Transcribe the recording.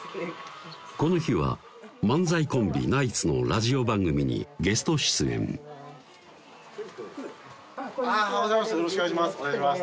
この日は漫才コンビ・「ナイツ」のラジオ番組にゲスト出演あぁおはようございますよろしくお願いします